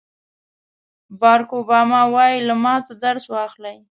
باراک اوباما وایي له ماتو درس واخلئ.